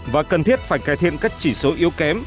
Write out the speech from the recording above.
và cần thiết phải cải thiện các chỉ số yếu kém